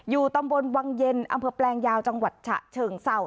ตำบลวังเย็นอำเภอแปลงยาวจังหวัดฉะเชิงเศร้า